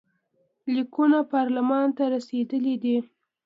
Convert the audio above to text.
لیکونه پارلمان ته رسېدلي دي.